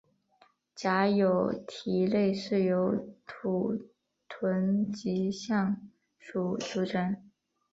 假有蹄类是由土豚及象鼩组成。